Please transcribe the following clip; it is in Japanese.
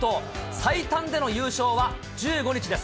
最短での優勝は１５日です。